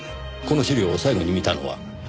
この資料を最後に見たのは？